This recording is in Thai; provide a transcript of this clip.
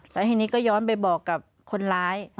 แล้วทีนี้ก็ย้อนไปบอกกับคนร้าย